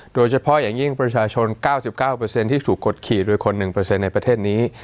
โดยเฉพาะอย่างยิ่งประชาชน๙๙ที่ถูกกดขี่โดยคน๑ในประเทศนี้